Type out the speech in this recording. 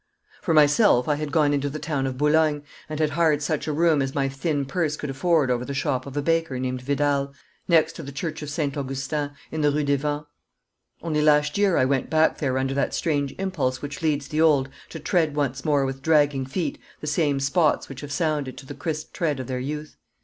For myself I had gone into the town of Boulogne and had hired such a room as my thin purse could afford over the shop of a baker named Vidal, next to the Church of St. Augustin, in the Rue des Vents. Only last year I went back there under that strange impulse which leads the old to tread once more with dragging feet the same spots which have sounded to the crisp tread of their youth.